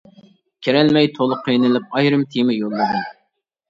كىرەلمەي تولا قىينىلىپ، ئايرىم تېما يوللىدىم.